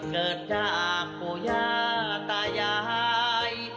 เกิดจากโปยาตายาย